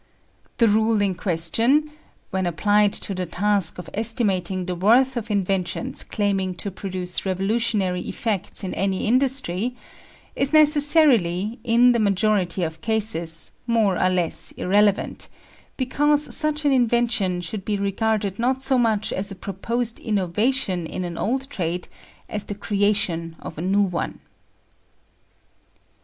The rule in question when applied to the task of estimating the worth of inventions claiming to produce revolutionary effects in any industry is necessarily, in the majority of cases, more or less irrelevant, because such an invention should be regarded not so much as a proposed innovation in an old trade as the creation of a new one.